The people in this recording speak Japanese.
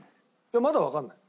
まだわかんない。